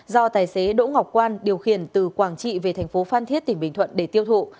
do tài xế đỗ ngọc quan điều khiển từ quảng trị về thành phố phan thiết tỉnh bình thuận để tiêu thụ